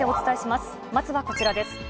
まずはこちらです。